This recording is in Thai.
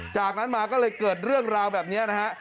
จากนั้นมาก็เลยเกิดเรื่องราวแบบนี้นะฮะ